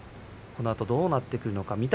このあとどうなってくるのか。